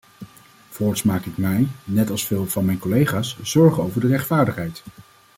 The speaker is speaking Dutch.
Voorts maak ik mij, net als veel van mijn collega's zorgen over de rechtvaardigheid.